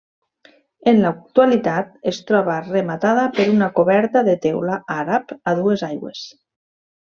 En l'actualitat es troba rematada per una coberta de teula àrab a dues aigües.